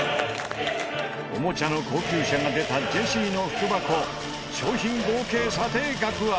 おもちゃの高級車が出たジェシーの福箱商品合計査定額は。